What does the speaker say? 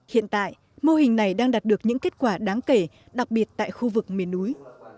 hiện tại mô hình này đang đạt được những kết quả đáng kể đặc biệt tại khu vực miền núi